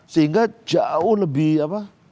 sehingga jauh lebih apa